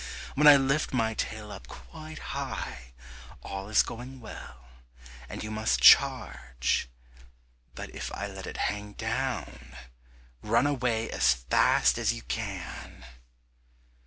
When I lift my tail up quite high, all is going well, and you must charge; but if I let it hang down, run away as fast as you can."